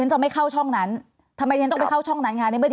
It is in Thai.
จะไม่เข้าช่องนั้นทำไมฉันต้องไปเข้าช่องนั้นคะ